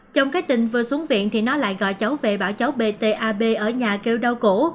trong cái tình vừa xuống viện thì nó lại gọi cháu về bảo cháu btab ở nhà kêu đau cổ